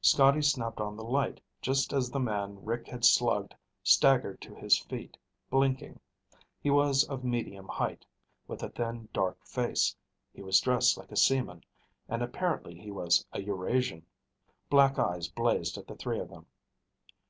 Scotty snapped on the light just as the man Rick had slugged staggered to his feet, blinking. He was of medium height, with a thin, dark face. He was dressed like a seaman, and apparently he was a Eurasian. Black eyes blazed at the three of them.